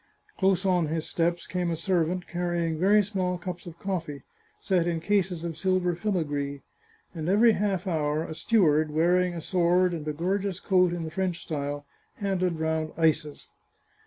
Close on his steps came a servant, carrying very small cups of coffee, set in cases of silver filigree, and every half hour a steward, wearing a sword and a gorgeous coat in the French style, handed round ices.